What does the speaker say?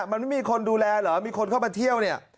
มันไม่มีคนดูแลเหรอมีคนเข้ามาเที่ยวเนี่ย